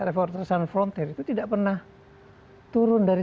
reforters and frontier itu tidak pernah turun dari seratus